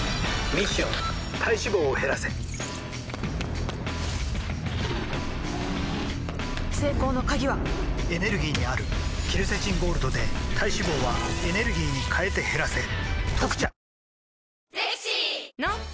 ミッション体脂肪を減らせ成功の鍵はエネルギーにあるケルセチンゴールドで体脂肪はエネルギーに変えて減らせ「特茶」